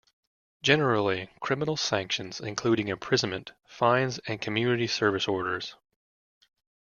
Generally, criminal sanctions include imprisonment, fines and community service orders.